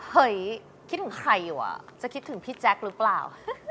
เฮ้ยคิดถึงใครวะจะคิดถึงพี่แจ๊คหรือเปล่า